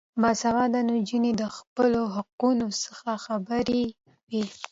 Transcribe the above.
باسواده نجونې د خپلو حقونو څخه خبرې وي.